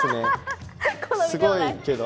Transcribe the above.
すごいけど。